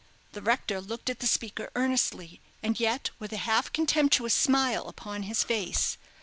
The rector looked at the speaker earnestly, and yet with a half contemptuous smile upon his face.